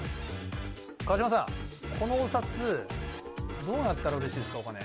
川島さん、このお札、どうなったらうれしいですか？